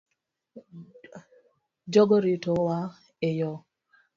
Jogo ritowa e yoo